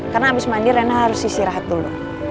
karena abis mandi rena harus istirahat dulu